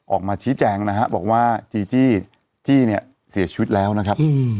ออกมาชี้แจงนะฮะบอกว่าจีจี้จี้เนี่ยเสียชีวิตแล้วนะครับ